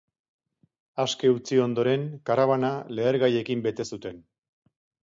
Aske utzi ondoren, karabana lehergaiekin bete zuten.